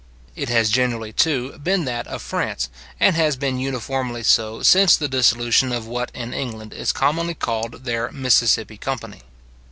It has generally, too, been that of France, and has been uniformly so since the dissolution of what in England is commonly called their Mississippi company.